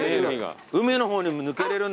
海の方にも抜けれるんだ。